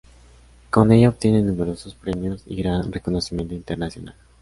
Con ella obtiene numerosos premios y gran reconocimiento internacional.